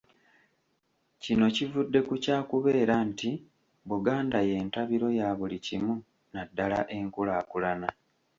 Kino kivudde ku kyakubeera nti Buganda y’entabiro ya buli kimu naddala enkukulaakulana.